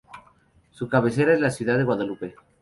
Su cabecera es la ciudad de Guadalupe.